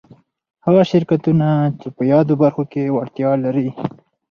هغه شرکتونه چي په يادو برخو کي وړتيا ولري